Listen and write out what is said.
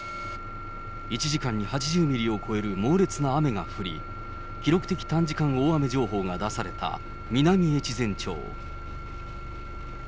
１時間に８０ミリを超える猛烈な雨が降り、記録的短時間大雨情報が出された南越前町。